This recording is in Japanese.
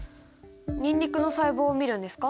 ニンニクの細胞を見るんですか？